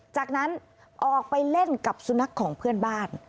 จากนั้นออกไปเล่นกับสุนัขของเพื่อนบ้าน